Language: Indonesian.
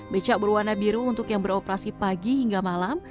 becak berwarna biru untuk yang beroperasi pagi hingga malam